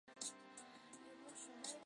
婆罗门教奉行种姓制度。